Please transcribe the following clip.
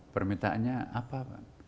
permintaannya apa pak